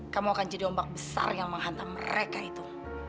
kamu akan jadi ombak besar yang menghantam mereka itu